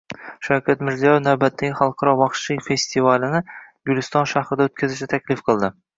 Shavkat Mirziyoyev navbatdagi xalqaro baxshichilik festivalini Guliston shahrida o‘tkazishni taklif qildi